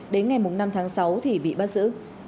đến ngày năm tháng sáu thì bị bắt giữ